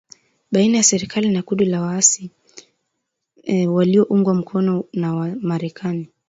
baina ya serikali na kundi la waasi walioungwa mkono na Marekani